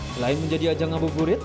selain menjadi ajang abu burit